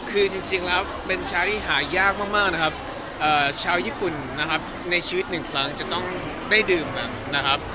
คือจริงแล้วเป็นชาที่หายากมากนะครับชาวญี่ปุ่นนะครับในชีวิตหนึ่งครั้งจะต้องได้ดื่มกันนะครับ